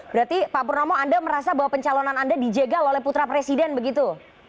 berarti pak purnomo anda merasa bahwa pencalonan anda dijegal oleh putra presiden begitu